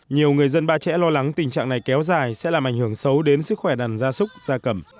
nhiều người dân ba trẻ lo lắng tình trạng này kéo dài sẽ làm ảnh hưởng xấu đến sức khỏe đàn gia súc gia cầm